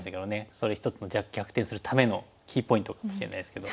それ一つの逆転するためのキーポイントかもしれないですけど。